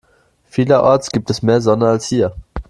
Vielerorts gibt es mehr Sonne als hier.